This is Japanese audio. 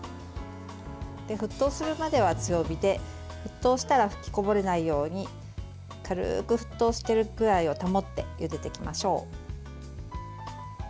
沸騰するまでは強火で沸騰したら吹きこぼれないように軽く沸騰しているぐらいを保ってゆでていきましょう。